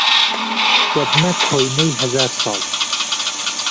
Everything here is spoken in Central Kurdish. دهبمه کۆینهی ههزار ساڵ